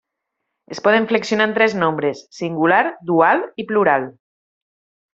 Es poden flexionar en tres nombres: singular, dual i plural.